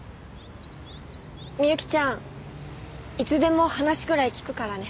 美幸ちゃんいつでも話くらい聞くからね。